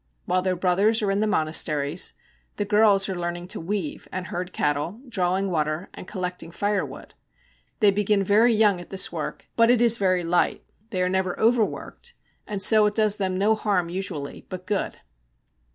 While their brothers are in the monasteries, the girls are learning to weave and herd cattle, drawing water, and collecting firewood. They begin very young at this work, but it is very light; they are never overworked, and so it does them no harm usually, but good.